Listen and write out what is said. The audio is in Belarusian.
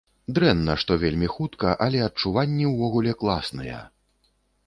Дрэнна, што вельмі хутка, але адчуванні ўвогуле класныя.